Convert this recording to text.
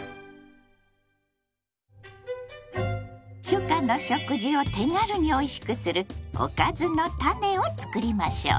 初夏の食事を手軽においしくする「おかずのタネ」を作りましょう。